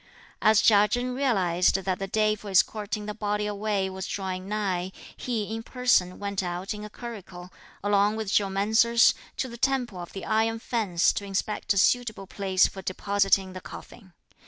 As Chia Chen realised that the day for escorting the body away was drawing nigh, he in person went out in a curricle, along with geomancers, to the Temple of the Iron Fence to inspect a suitable place for depositing the coffin.